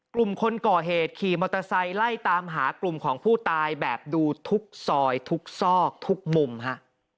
กลุ่มคนก่อเหตุขี่มอเตอร์ไซค์ไล่ตามหากลุ่มของผู้ตายแบบดูทุกซอยทุกซอกทุกมุมฮะ